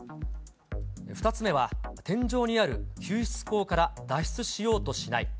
２つ目は、天井にある救出口から脱出しようとしない。